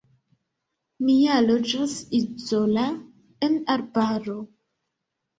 Mi ja loĝas izola, en arbaro.